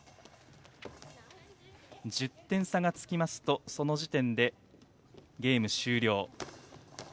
１０点差がつきますとその時点でゲーム終了。